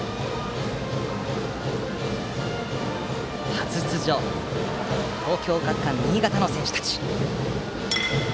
初出場の東京学館新潟の選手たち。